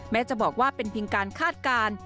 แม้จะบอกว่าเป็นเพียงการคาดการณ์